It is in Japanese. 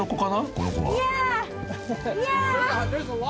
この子は］や！